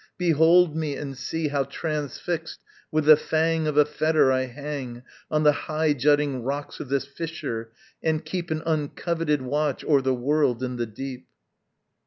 Behold me and see How transfixed with the fang Of a fetter I hang On the high jutting rocks of this fissure and keep An uncoveted watch o'er the world and the deep.